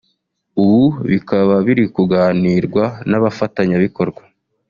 ubu bikaba biri kuganirwa n’abafatanyabikorwa